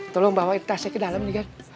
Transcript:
tolong bawain tas saya ke dalam nih gan